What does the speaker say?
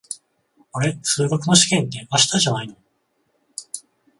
あれ、数学の試験って明日じゃないの？